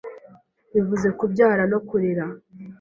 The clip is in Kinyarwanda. bivuze kubyara no kurera